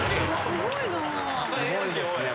すごいですね。